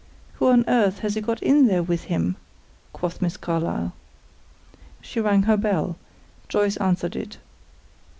"Who on earth has he got in there with him?" quoth Miss Carlyle. She rang her bell; Joyce answered it.